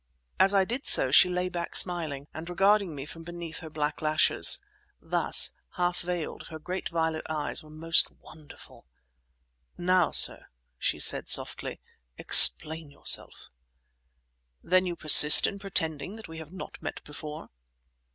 As I did so she lay back smiling, and regarding me from beneath her black lashes. Thus, half veiled, her great violet eyes were most wonderful. "Now, sir," she said softly, "explain yourself." "Then you persist in pretending that we have not met before?"